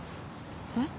えっ？